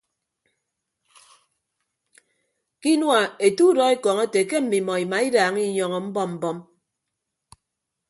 Ke inua ete udọ ekọñ ete ke mmimọ imaidaaña inyọñọ mbọm mbọm.